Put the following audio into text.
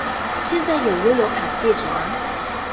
現在有悠遊卡戒指嗎？